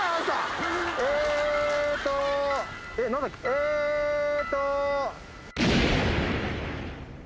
えっと。